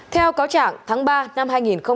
theo cáo trảng tháng ba năm hai nghìn hai mươi hai